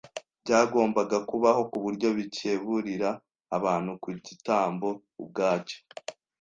byagombaga kubaho ku buryo bikeburira abantu ku gitambo ubwacyo.